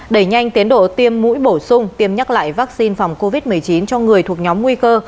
đẩy nhanh tiến độ tiêm mũi bổ sung tiêm nhắc lại vaccine phòng covid một mươi chín cho người thuộc nhóm nguy cơ